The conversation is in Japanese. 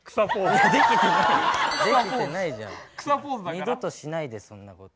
二度としないでそんなこと。